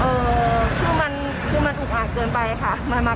เออคือมันคือมันอุปอดเกินไปค่ะมามากลางวันอย่างเงี้ยค่ะอ่า